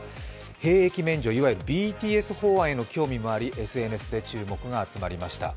兵役免除、いわゆるＢＴＳ法案への興味もあり、ＳＮＳで注目が集まりました。